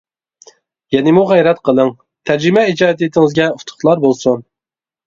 يەنىمۇ غەيرەت قىلىڭ، تەرجىمە ئىجادىيىتىڭىزگە ئۇتۇقلار بولسۇن!